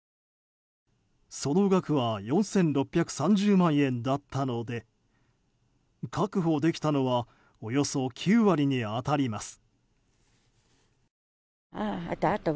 その額は４６３０万円だったので確保できたのはおよそ９割に当たります。